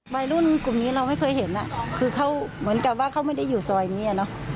วัยรุ่นกลุ่มนี้เราไม่เคยเห็นอ่ะคือเขาเหมือนกับว่าเขาไม่ได้อยู่ซอยนี้เนอะ